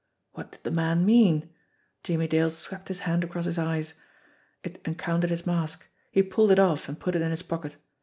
What did the man mean? Jimmie Dale swept his hand across his eyes. It encountered his mask. He pulled it off and put it In his pocket.